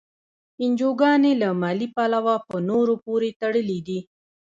انجوګانې له مالي پلوه په نورو پورې تړلي دي.